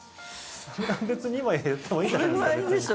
別に今やってもいいんじゃないんですか。